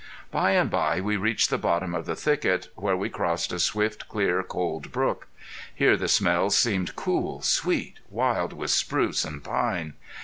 By and bye we reached the bottom of the thicket where we crossed a swift clear cold brook. Here the smells seemed cool, sweet, wild with spruce and pine.